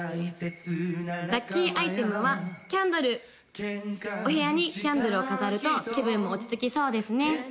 ・ラッキーアイテムはキャンドルお部屋にキャンドルを飾ると気分も落ち着きそうですね・